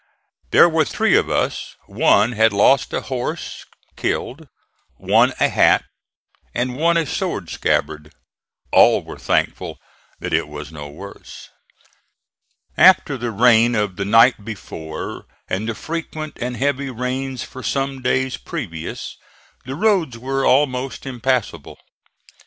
There were three of us: one had lost a horse, killed; one a hat and one a sword scabbard. All were thankful that it was no worse. After the rain of the night before and the frequent and heavy rains for some days previous, the roads were almost impassable.